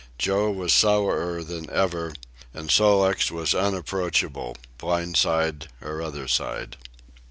Joe was sourer than ever, and Sol leks was unapproachable, blind side or other side.